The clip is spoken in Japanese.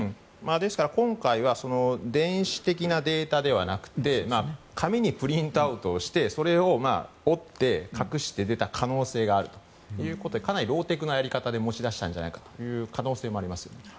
ですから今回は電子的なデータではなくて紙にプリントアウトをしてそれを折って隠して、出た可能性があるということでかなりローテクなやり方で持ち出したのではないかという可能性もありますよね。